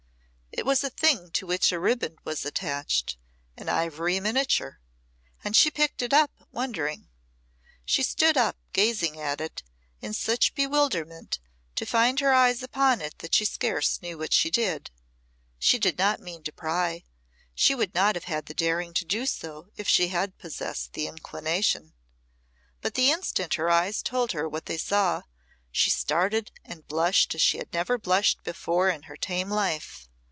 It was a thing to which a riband was attached an ivory miniature and she picked it up wondering. She stood up gazing at it, in such bewilderment to find her eyes upon it that she scarce knew what she did. She did not mean to pry; she would not have had the daring so to do if she had possessed the inclination. But the instant her eyes told her what they saw, she started and blushed as she had never blushed before in her tame life.